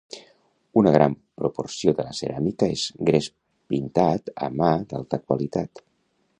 Una gran proporció de la ceràmica és gres pintat a mà d'alta qualitat.